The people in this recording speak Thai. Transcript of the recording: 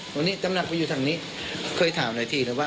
ตรงนี้น้ำหนักไปอยู่ทางนี้เคยถามหน่อยทีนะว่า